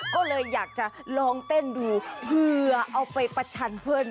ก็เลยอยากจะลองเต้นดูเผื่อเอาไปประชันเพื่อน